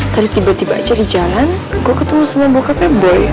tadi tiba tiba aja di jalan gue ketemu sama bokapnya boy